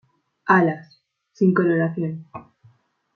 Alas: sin coloración.